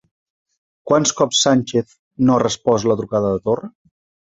Quants cops Sánchez no ha respost la trucada de Torra?